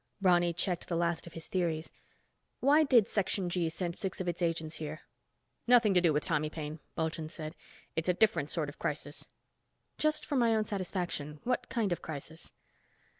Ronny checked the last of his theories. "Why did Section G send six of its agents here?" "Nothing to do with Tommy Paine," Bulchand said. "It's a different sort of crisis." "Just for my own satisfaction, what kind of crisis?"